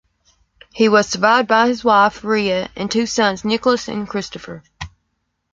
He was survived by his wife, Rhea, and two sons, Nickolas and Christopher.